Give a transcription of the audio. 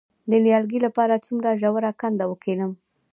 د نیالګي لپاره څومره ژوره کنده وکینم؟